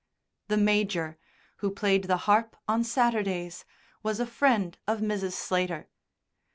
The Major, who played the harp on Saturdays, was a friend of Mrs. Slater.